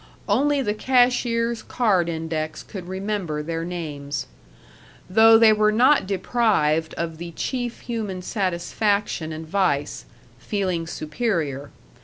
Only the cashier's card index could remember their names.... Though they were not deprived of the chief human satisfaction and vice feeling superior.